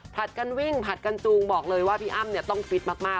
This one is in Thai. กันวิ่งผลัดกันจูงบอกเลยว่าพี่อ้ำเนี่ยต้องฟิตมาก